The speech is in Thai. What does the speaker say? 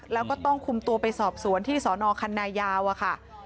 แล้วก็ต้องคุมตัวไปสอบสวนที่สนคันนายาวอะค่ะ